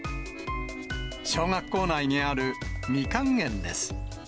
小学校内にあるみかん園です。